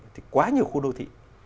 thì quá nhiều khu đô thị